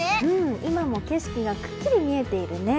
今も景色がくっきり見えているね。